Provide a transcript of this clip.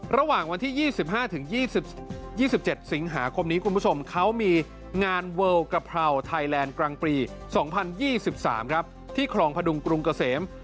ระหว่างวันที่๒๕๒๗สิงหาคมนี้คุณผู้ชมเขามีงานเวิลกะเพราไทยแลนด์กลางปี๒๐๒๓ที่คลองพดุงกรุงเกษม